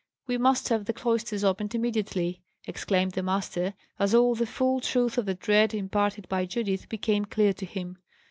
we must have the cloisters opened immediately!" exclaimed the master, as all the full truth of the dread imparted by Judith became clear to him.